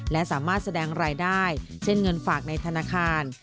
และสามารถแสดงรายได้เช่นเงินฝากในธนาคาร